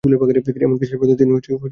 এমনকি শেষ পর্যন্ত তিনি ঘুমিয়ে পড়েন।